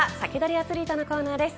アツリートのコーナーです。